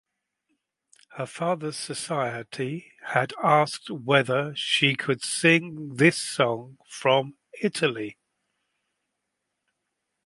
Her father's society had asked whether she could sing this song from Italy.